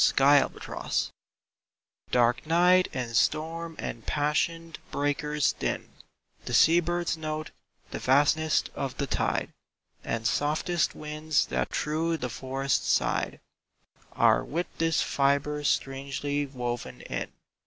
H IDioUn ARK night and storm and passioned breakers' din, The sea bird's note, the vast ness of the tide And softest winds that through the forest sighed Are with this fibre strangely woven in.